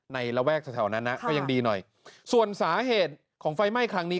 ระแวกแถวนั้นนะก็ยังดีหน่อยส่วนสาเหตุของไฟไหม้ครั้งนี้